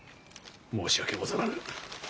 申し訳ござらぬ。